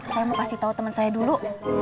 saya mau kasih tau temen saya dulu